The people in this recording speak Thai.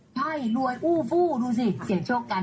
ใช่รวยอู้ฟู้ดูสิเสียงโชคกัน